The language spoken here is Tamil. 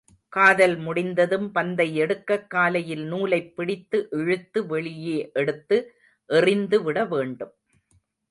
காதல் முடிந்ததும் பந்தை எடுக்கக் காலையில் நூலைப் பிடித்து இழுத்து வெளியே எடுத்து எறிந்து விடவேண்டும்.